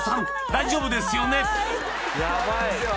大丈夫ですよね？